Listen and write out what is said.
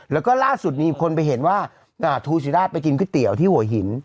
แล้วก็ล่าสุดมีคนไปเห็นว่าทูศิราชไปกินก๋วยเตี๋ยวที่หัวหิน